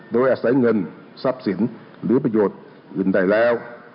โดยอาศัยเงินทรัพย์สินหรือประโยชน์อื่นใดแล้ว